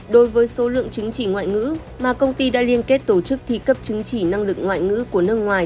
đối với số lượng chứng chỉ ngoại ngữ mà công ty đã liên kết tổ chức thi cấp chứng chỉ năng lực ngoại ngữ của nước ngoài